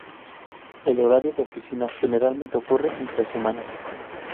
El horario de oficina generalmente ocurre entre semana.